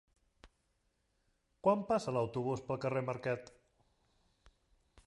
Quan passa l'autobús pel carrer Marquet?